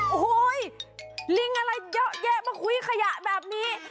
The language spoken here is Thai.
โอ้โหลิงอะไรเยอะแยะมาคุยขยะแบบนี้